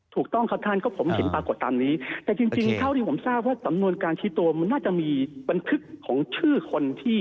ถูกต้องครับท่านก็ผมเห็นปรากฏตามนี้แต่จริงจริงเท่าที่ผมทราบว่าสำนวนการชี้ตัวมันน่าจะมีบันทึกของชื่อคนที่